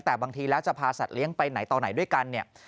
แต่บางทีแล้วจะพาสัตว์เลี้ยงไปไหนต่อไหนด้วยกันเนี่ย